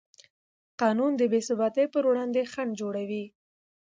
قانون د بېثباتۍ پر وړاندې خنډ جوړوي.